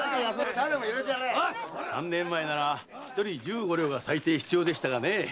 三年前なら一人十五両が最低必要でしたがね。